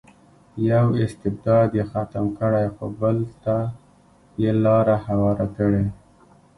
یو استبداد یې ختم کړی خو بل ته یې لار هواره کړې.